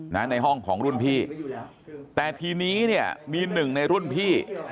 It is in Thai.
ในห้องของรุ่นพี่แต่ทีนี้เนี่ยมีหนึ่งในรุ่นพี่